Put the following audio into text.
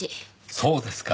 そうですか。